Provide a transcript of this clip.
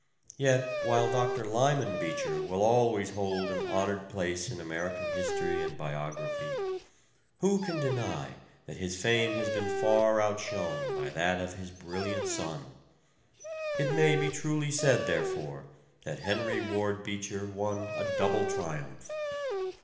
Yet, while Dr. Lyman Beecher will always hold an honored place in American history and biography, who can deny that his fame has been far outshone by that of his brilliant son? It may be truly said, therefore, that Henry Ward Beecher won a double triumph.